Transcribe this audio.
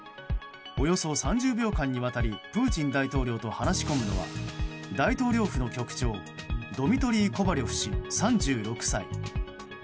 およそ３０秒間にわたりプーチン大統領と話し込むのは大統領府の局長ドミトリー・コバリョフ氏３６歳。